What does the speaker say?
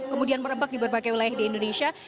kemudian merebak di berbagai wilayah di indonesia